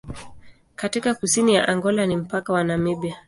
Katika kusini ya Angola ni mpaka na Namibia.